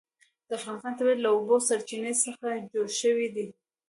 د افغانستان طبیعت له د اوبو سرچینې څخه جوړ شوی دی.